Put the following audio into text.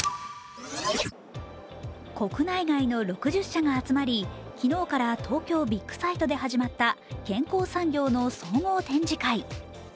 国内外の６０社が集まり昨日から東京ビッグサイトで始まった健康産業の総合展示会。